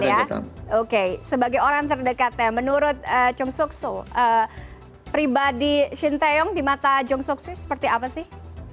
jadi sebagai orang terdekatnya menurut jong suk soo pribadi shin taeyong di mata jong suk soo seperti apa sih